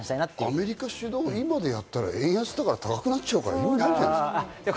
アメリカ主導でやったら、円安だから高くなっちゃうから意味ないんじゃない？